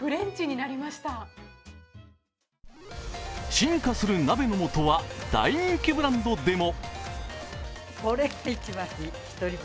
進化する鍋のもとは大人気ブランドでも。